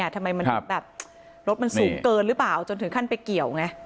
ทำไมมันถึงแบบรถมันสูงเกินหรือเปล่าจนถึงขั้นไปเกี่ยวไง